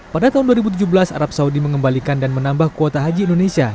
pada tahun dua ribu tujuh belas arab saudi mengembalikan dan menambah kuota haji indonesia